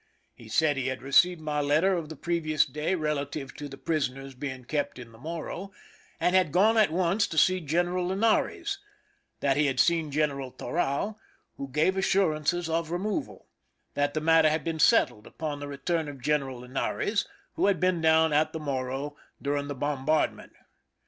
He said he had received my letter of the previous day relative to the prisoners being kept in the Morro, and had gone at once to see Greneral Linares ; that he had seen Q eneral Toral, who gave assurances of removal; that the matter had been settled upon the return of Q eneral Linares, who had been down at the Morro during the bombardment.